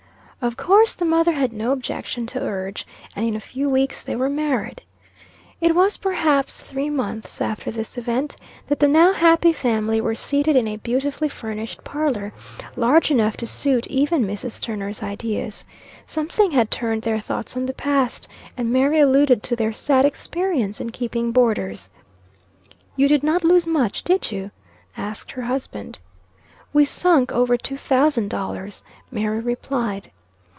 Of course, the mother had no objection to urge, and in a few weeks they were married. It was, perhaps, three months after this event, that the now happy family were seated in a beautifully furnished parlor, large enough to suit even Mrs. Turner's ideas. Something had turned their thoughts on the past, and Mary alluded to their sad experience in keeping boarders. "You did not lose much, did you?" asked her husband. "We sunk over two thousand dollars," Mary replied.